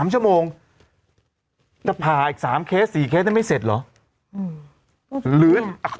๓ชั่วโมงจะผ่าอีก๓เคส๔เคสนั้นไม่เสร็จเหรอ